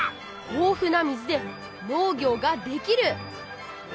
豊富な水で農業ができる！